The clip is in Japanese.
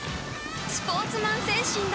スポーツマン精神だ！